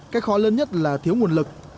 cách khó lớn nhất là thiếu nguồn lực